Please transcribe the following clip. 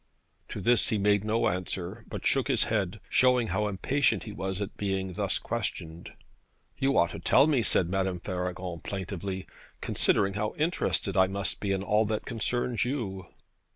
To this he made no answer, but shook his head, showing how impatient he was at being thus questioned. 'You ought to tell me,' said Madame Faragon plaintively, 'considering how interested I must be in all that concerns you.'